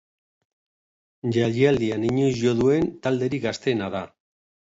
Jaialdian inoiz jo duen talderik gazteena da.